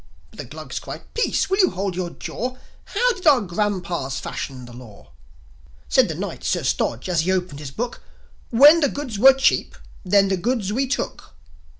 But the Glugs cried, "Peace! Will you hold your jaw! How did our grandpas fashion the law?" Said the Knight, Sir Stodge, as he opened his Book, "When the goods were cheap then the goods we took."